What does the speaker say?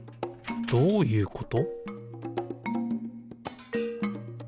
どういうこと？